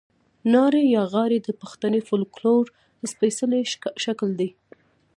نارې یا غاړې د پښتني فوکلور سپېڅلی شکل دی.